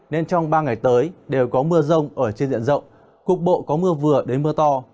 nên trong ba ngày tới đều có mưa rông ở trên diện rộng cục bộ có mưa vừa đến mưa to